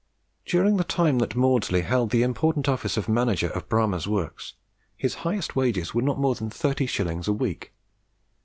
During the time that Maudslay held the important office of manager of Bramah's works, his highest wages were not more than thirty shillings a week.